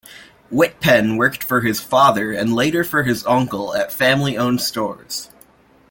Wittpenn worked for his father, and later for his uncle, at family-owned stores.